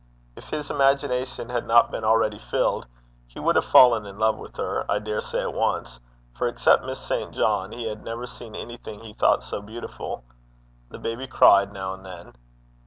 If his imagination had not been already filled, he would have fallen in love with her, I dare say, at once; for, except Miss St. John, he had never seen anything he thought so beautiful. The baby cried now and then.